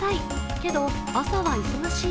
けど、朝は忙しい。